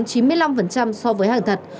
giống chín mươi năm so với hàng thật